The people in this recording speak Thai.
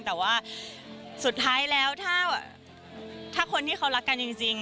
แต่ว่าสุดท้ายแล้วถ้าคนที่เขารักกันจริง